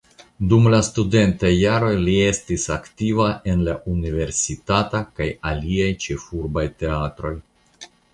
Dum la studentaj jaroj li estis aktiva en la universitata kaj aliaj ĉefurbaj teatroj.